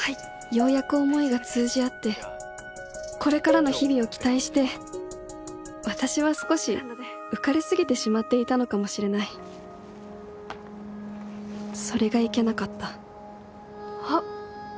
ようやく思いが通じ合ってこれからの日々を期待して私は少し浮かれ過ぎてしまっていたのかもしれないそれがいけなかったあっ。